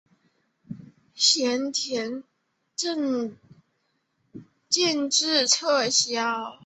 咸田镇建制撤销。